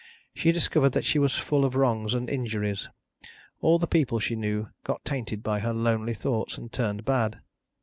She discovered that she was full of wrongs and injuries. All the people she knew, got tainted by her lonely thoughts and turned bad.